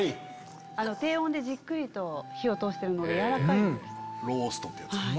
低温でじっくりと火を通してるので軟らかいです。